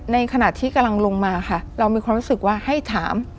ในขณะที่กำลังลงมาค่ะเรามีความรู้สึกว่าให้ถาม